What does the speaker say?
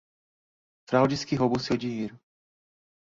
Fraudes que roubam seu dinheiro